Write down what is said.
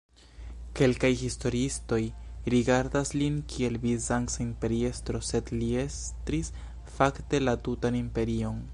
Kelkaj historiistoj rigardas lin kiel bizanca imperiestro, sed li estris fakte la tutan imperion.